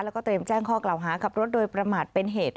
แล้วก็เตรียมแจ้งข้อกล่าวหาขับรถโดยประมาทเป็นเหตุ